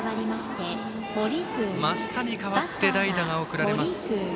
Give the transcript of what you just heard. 増田に代わって代打が送られます。